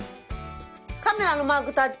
カメラのマークタッチ。